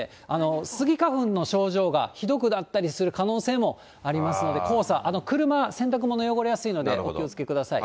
スギ花粉の症状がひどくなったりする可能性もありますので、黄砂、車、洗濯物汚れやすいのでお気をつけください。